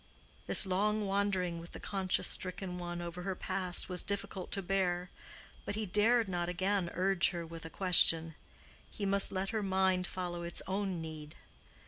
This long wandering with the conscious stricken one over her past was difficult to bear, but he dared not again urge her with a question. He must let her mind follow its own need.